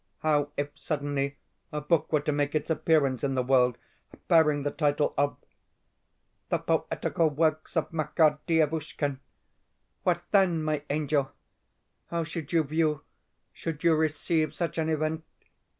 How if suddenly a book were to make its appearance in the world bearing the title of "The Poetical Works of Makar Dievushkin"? What THEN, my angel? How should you view, should you receive, such an event?